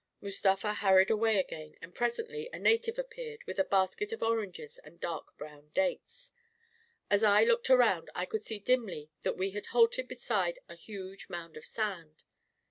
'* Mustafa hurried away again, and presently a native appeared, with a basket of oranges and dark brown dates ... As I looked around, I could see dimly that we had halted beside a huge mound of sand.